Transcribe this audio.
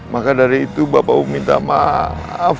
maka dari itu bapak minta maaf